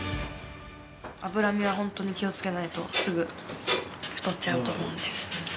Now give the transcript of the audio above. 脂身は本当に気をつけないと、すぐ太っちゃうと思うんで。